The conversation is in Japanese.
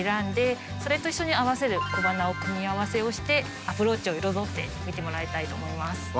それと一緒に合わせる小花を組み合わせをしてアプローチを彩ってみてもらいたいと思います。